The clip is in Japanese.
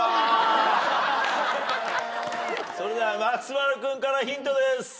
それでは松丸君からヒントです。